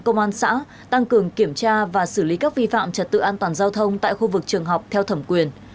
công an xã tăng cường kiểm tra và xử lý các vi phạm trật tự an toàn giao thông tại khu vực trường học theo thẩm quyền